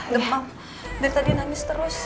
demam dari tadi nangis terus